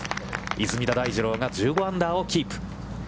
出水田大二郎が１５アンダーをキープ。